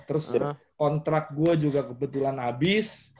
terus kontrak gue juga kebetulan habis